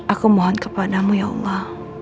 aku mohon kepadamu ya allah